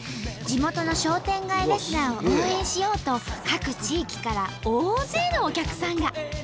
地元の商店街レスラーを応援しようと各地域から大勢のお客さんが。